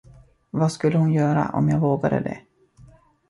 Vad skulle hon göra, om jag vågade det?